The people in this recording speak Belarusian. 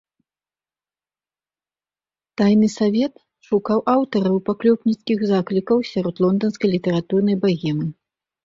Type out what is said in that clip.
Тайны савет шукаў аўтараў паклёпніцкіх заклікаў сярод лонданскай літаратурнай багемы.